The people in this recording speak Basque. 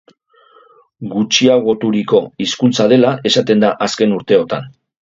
Gutxiagoturiko hizkuntza dela esaten da azken urteotan.